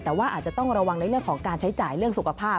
แต่ว่าอาจจะต้องระวังในเรื่องของการใช้จ่ายเรื่องสุขภาพ